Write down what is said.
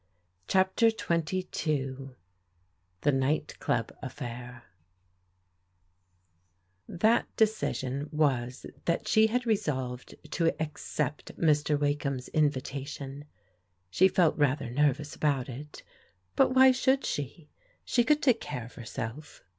CHAPTER XXII THE NIGHT CLUB AFFAIR THAT decision was that she had resolved to ac cept Mr. Wakeham's invitation. She felt rather nervous about it, but why should she? She could take care of herself.